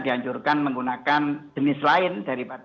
dan untuk mengubah karena kiri metode tersebut